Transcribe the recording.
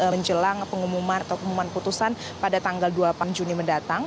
menjelang pengumuman atau pengumuman putusan pada tanggal delapan juni mendatang